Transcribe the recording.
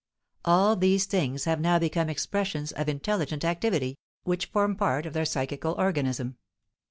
All these things have now become expressions of intelligent activity, which form part of their psychical organism.